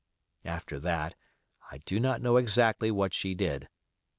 After that I do not know exactly what she did.